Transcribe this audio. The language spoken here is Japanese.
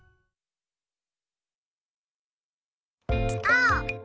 あお！